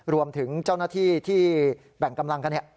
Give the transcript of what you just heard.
รวมถึงเจ้าหน้าที่ที่แบ่งกำลังกัน